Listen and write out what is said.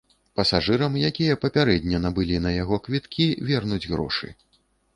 Пасажырам, якія папярэдне набылі на яго квіткі, вернуць грошы.